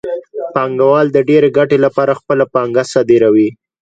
پانګوال د ډېرې ګټې لپاره خپله پانګه صادروي